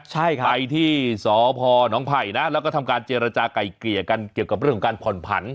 ใช่ครับไปที่สพนไผ่นะแล้วก็ทำการเจรจาไก่เกลี่ยกันเกี่ยวกับเรื่องของการผ่อนผัน